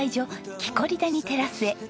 キコリ谷テラスへ。